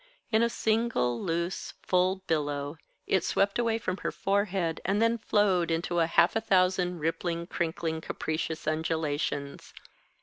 In a single loose, full billow it swept away from her forehead, and then flowed into a half a thousand rippling, crinkling, capricious undulations.